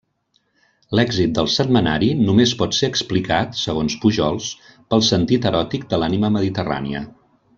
L’èxit del setmanari només pot ser explicat, segons Pujols, pel sentit eròtic de l’ànima mediterrània.